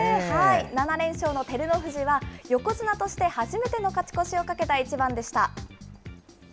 ７連勝の照ノ富士は横綱として初めての勝ち越しをかけた一番でした。